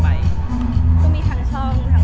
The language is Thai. แม็กซ์ก็คือหนักที่สุดในชีวิตเลยจริง